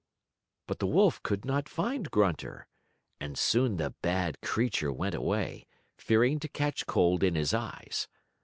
But the wolf could not find Grunter, and soon the bad creature went away, fearing to catch cold in his eyes.